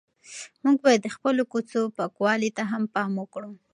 موږ باید د خپلو کوڅو پاکوالي ته هم پام وکړو.